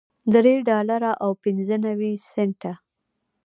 درې ډالره او پنځه نوي سنټه